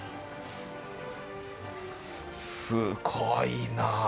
すごいな。